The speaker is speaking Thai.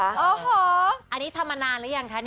อันนี้ทำมานานแล้วยังคะ